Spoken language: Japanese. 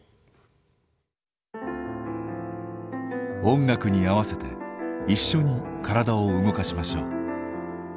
音楽に合わせて一緒に体を動かしましょう。